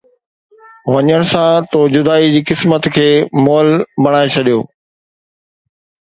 وڃڻ سان، تو جدائي جي قسمت کي مئل بڻائي ڇڏيو